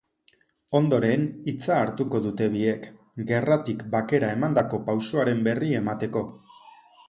Ondoren, hitza hartuko dute biek, gerratik bakera emandako pausoaren berri emateko.